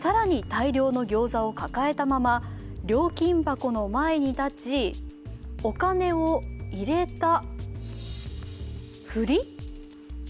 大量のギョーザを抱えたまま料金箱の前に立ち、お金を入れたふり？